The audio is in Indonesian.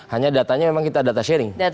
hanya datanya memang kita data sharing